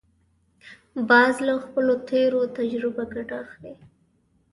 باز له خپلو تېرو تجربو ګټه اخلي